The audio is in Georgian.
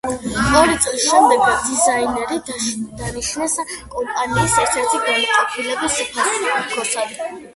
ორი წლის შემდეგ დიზაინერი დანიშნეს კომპანიის ერთ-ერთი განყოფილების უფროსად.